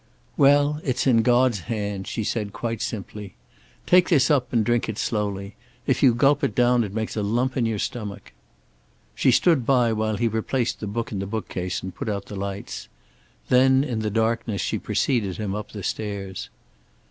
"Well, it's in God's hands," she said, quite simply. "Take this up and drink it slowly. If you gulp it down it makes a lump in your stomach." She stood by while he replaced the book in the bookcase and put out the lights. Then in the darkness she preceded him up the stairs.